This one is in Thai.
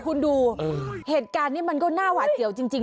คุณดูเหตุการณ์นี้มันก็น่าหวาดเสียวจริง